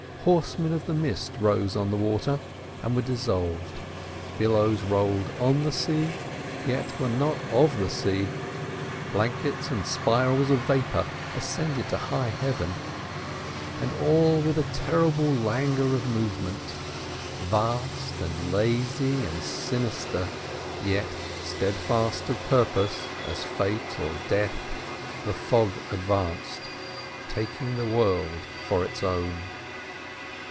Horsemen of the mist rode on the water, and were dissolved; billows rolled on the sea, yet were not of the sea; blankets and spirals of vapour ascended to high heaven. And all with a terrible languor of movement. Vast and lazy and sinister, yet steadfast of purpose as Fate or Death, the fog advanced, taking the world for its own.